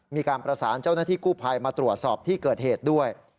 มีการประสานเจ้าหน้าที่กู้ภัยมาตรวจสอบที่เกิดเหตุด้วย